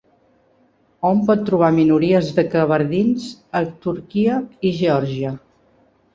Hom pot trobar minories de kabardins a Turquia i Geòrgia.